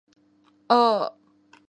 ああ